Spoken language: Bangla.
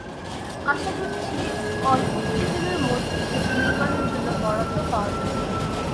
আশা করছি, অল্প কিছু দিনের মধ্যেই সেতু নির্মাণে জন্য বরাদ্দ পাওয়া যাবে।